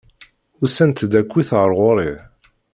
Usant-d akkit ar ɣur-i!